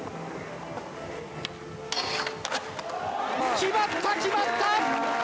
決まった、決まった！